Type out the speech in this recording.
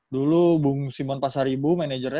dulu bung simon pasar ibu managernya